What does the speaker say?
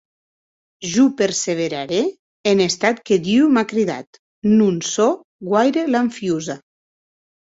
Jo perseverarè en estat que Diu m’a cridat; non sò guaire lanfiosa.